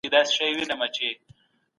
عامه خدمات په ښه توګه ترسره کیدل.